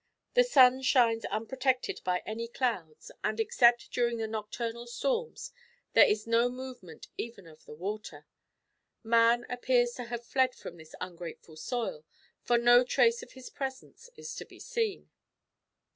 The sun shines unprotected by any clouds, and, except during the nocturnal storms, there is no movement even of the water. Man appears to have fled from this ungrateful soil, for no trace of his presence is to be seen."